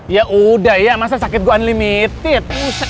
ya udah ya masa sakit gue unlimited